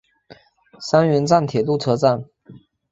三原站铁路车站。